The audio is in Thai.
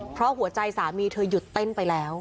เพราะหัวใจสามีเธอหยุดเต้นไปแล้ว